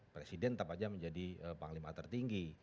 presiden tetap saja menjadi panglima tertinggi